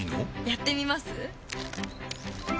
やってみます？